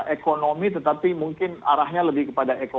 ekonomi tetapi mungkin arahnya lebih kepada ekonomi